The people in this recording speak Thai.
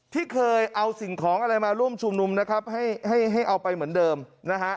ที่เคยเอาสิ่งของอะไรมาร่วมชุมนุมนะครับให้ให้เอาไปเหมือนเดิมนะฮะ